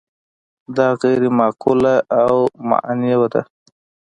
دا غیر معقولة المعنی ده.